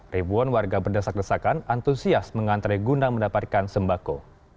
ribuan warga berdesak desakan antusias mengantre guna mendapatkan sembako